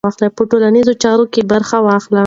په ټولنیزو چارو کې برخه واخلئ.